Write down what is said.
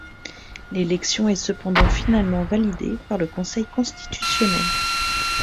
L'élection est cependant finalement validée par le Conseil constitutionnel.